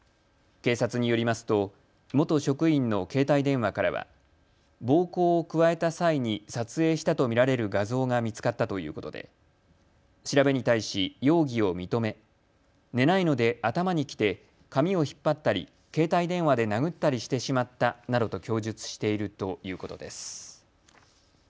警察によりますと元職員の携帯電話からは暴行を加えた際に撮影したと見られる画像が見つかったということで調べに対し容疑を認め寝ないので頭にきて髪を引っ張ったり携帯電話で殴ったりしてしまったなどと供述しているということです。